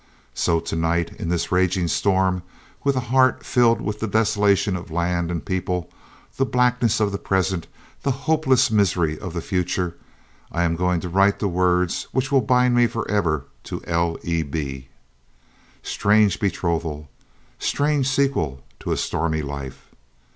"So to night, in this raging storm, with a heart filled with the desolation of land and people, the blackness of the present, the hopeless misery of the future, I am going to write the words which will bind me for ever to L.E.B. "Strange betrothal! Strange sequel to a stormy life!